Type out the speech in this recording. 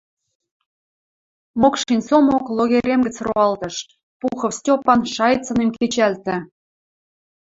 Мокшин Сомок логерем гӹц роалтыш, Пухов Стьопан шайыцынем кечӓлтӹ.